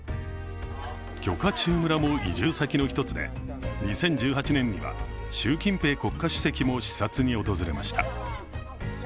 許家沖村も移住先の１つで、２０１８年には、習近平国家主席も視察に訪れました。